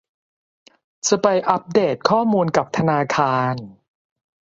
จะไปอัพเดทข้อมูลกับธนาคาร